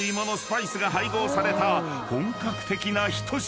［本格的な一品］